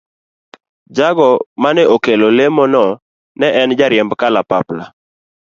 Jago mane okelo lemo no ne en jariemb kalapapla.